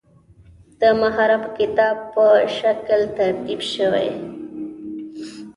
د محرم کتاب په شکل ترتیب شوی.